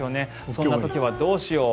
そんな時はどうしよう。